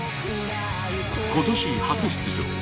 今年初出場。